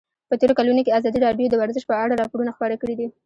په تېرو کلونو کې ازادي راډیو د ورزش په اړه راپورونه خپاره کړي دي.